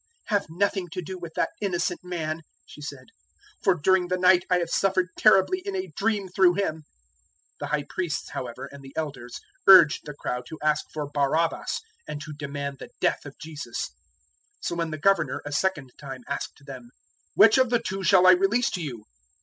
"Have nothing to do with that innocent man," she said, "for during the night I have suffered terribly in a dream through him." 027:020 The High Priests, however, and the Elders urged the crowd to ask for Barabbas and to demand the death of Jesus. 027:021 So when the Governor a second time asked them, "Which of the two shall I release to you?"